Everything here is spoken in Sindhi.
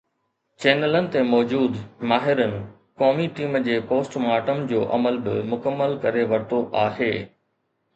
چينلن تي موجود ”ماهرن“ قومي ٽيم جي پوسٽ مارٽم جو عمل به مڪمل ڪري ورتو آهي.